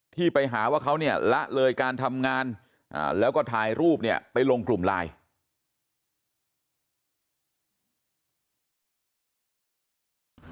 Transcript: ที่ไปหาว่าเขาเนี่ยละเลยการทำงานแล้วก็ถ่ายรูปเนี่ยไปลงกลุ่มไลน์